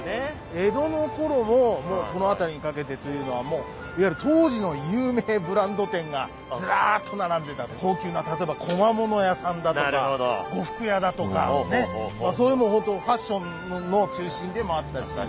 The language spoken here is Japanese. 江戸の頃ももうこの辺りにかけてというのはもういわゆる当時の有名ブランド店がズラーッと並んでたんで高級な例えば小間物屋さんだとか呉服屋だとかねそういうもう本当ファッションの中心でもあったし。